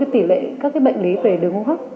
tỷ lệ các cái bệnh lý về đứng hấp